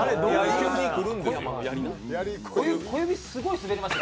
小指、すごいすべりましたよ